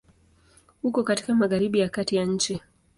Uko katika Magharibi ya kati ya nchi.